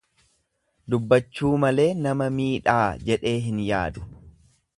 Dubbachuu malee nama miidhaa jedhee hin yaadu.